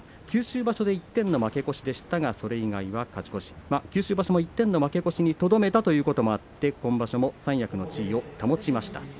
九州場所で一点の負け越しでしたがそれ以外は勝ち越し九州場所も一点の負け越しにとどめたということもあって今場所も三役の地位を保ちました。